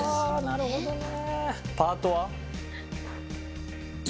なるほどね！